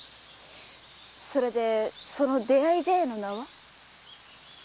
それでその出会い茶屋の名は？